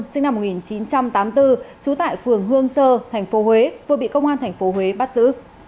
sinh năm một nghìn chín trăm tám mươi bốn trú tại phường hương sơ thành phố huế vừa bị công an thành phố huế bắt giữ